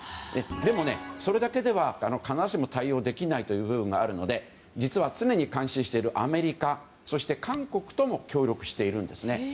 でも、それだけでは必ずしも対応できない部分があるので実は常に監視しているアメリカ、そして韓国とも協力しているんですね。